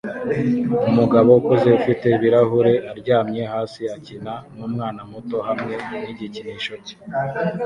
Umugabo ukuze ufite ibirahure aryamye hasi akina numwana muto hamwe nigikinisho cye